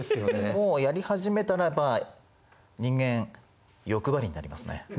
もうやり始めたらやっぱ人間欲張りになりますね。